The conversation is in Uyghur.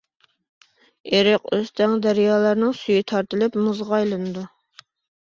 ئېرىق-ئۆستەڭ، دەريالارنىڭ سۈيى تارتىلىپ، مۇزغا ئايلىنىدۇ.